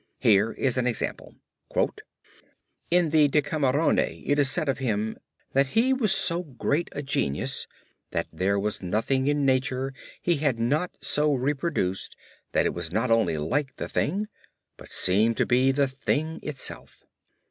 Here is an example: "In the Decamerone it is said of him 'that he was so great a genius that there was nothing in nature he had not so reproduced that it was not only like the thing, but seemed to be the thing itself.'